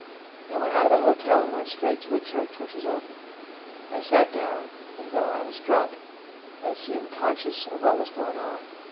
I went out of the hotel and went straight to a church which was open. I sat down, and though I was drunk, I seemed conscious of what was going on.